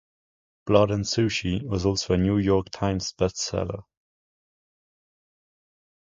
Blood and Sushi was also a New York Times Bestseller.